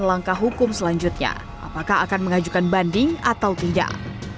langkah hukum selanjutnya apakah akan mengajukan banding atau tidak